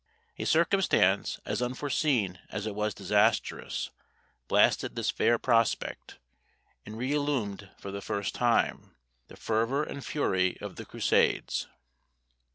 A circumstance, as unforeseen as it was disastrous, blasted this fair prospect, and reillumed, for the last time, the fervour and fury of the Crusades.